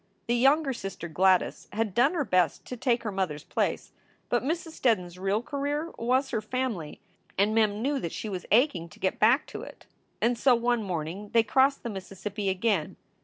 The younger sister, Gladys, had done her best to take her mother s place, but Mrs. Steddon s real career was her family and Mem knew that she was aching to get back to it. And so one morning they crossed the Mississippi again.